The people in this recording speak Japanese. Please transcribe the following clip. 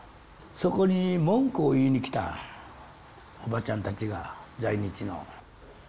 そこに文句を言いに来たおばちゃんたちが在日の。